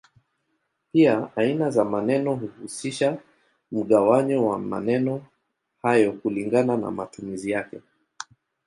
Pia aina za maneno huhusisha mgawanyo wa maneno hayo kulingana na matumizi yake.